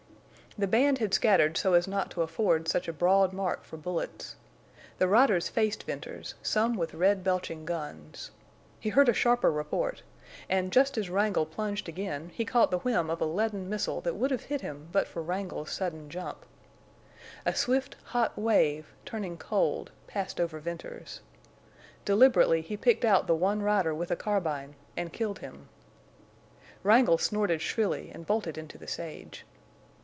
The band had scattered so as not to afford such a broad mark for bullets. The riders faced Venters, some with red belching guns. He heard a sharper report, and just as Wrangle plunged again he caught the whizz of a leaden missile that would have hit him but for Wrangle's sudden jump. A swift, hot wave, turning cold, passed over Venters. Deliberately he picked out the one rider with a carbine, and killed him. Wrangle snorted shrilly and bolted into the sage.